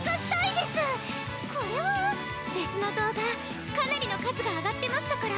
フェスの動画かなりの数が上がってましたからその影響でしょうか。